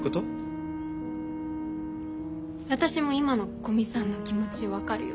私も今の古見さんの気持ち分かるよ。